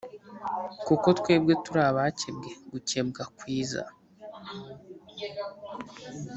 kuko twebwe turi abakebwe gukebwa kwiza